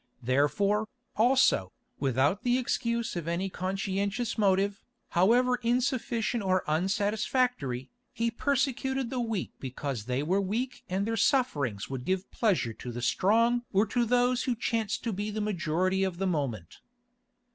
Therefore, also, without the excuse of any conscientious motive, however insufficient or unsatisfactory, he persecuted the weak because they were weak and their sufferings would give pleasure to the strong or to those who chanced to be the majority of the moment.